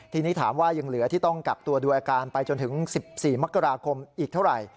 ทีนี้ถามว่ายังเหลือที่ต้องกักตัวดูอาการไปจนถึง๑๔มกราคมอีกเท่าไหร่